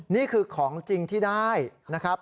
นี่คือของจริงที่ได้นะครับ